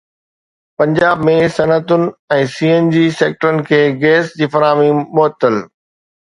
پنجاب ۾ صنعتن ۽ C N G سيڪٽرن کي گيس جي فراهمي معطل